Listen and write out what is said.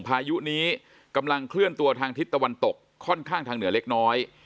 พายุนี้กำลังเคลื่อนตัวทางทิศตะวันตกค่อนข้างทางเหนือเล็กน้อย